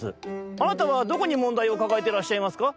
「あなたはどこにもんだいをかかえてらっしゃいますか？」。